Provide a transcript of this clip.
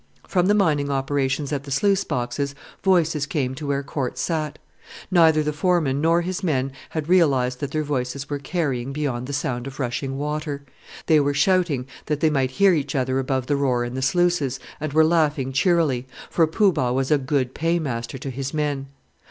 From the mining operations at the sluice boxes, voices came to where Corte sat. Neither the foreman nor his men had realized that their voices were carrying beyond the sound of rushing water. They were shouting that they might hear each other above the roar in the sluices, and were laughing cheerily for Poo Bah was a good paymaster to his men.